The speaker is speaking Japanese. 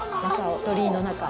鳥居の中を。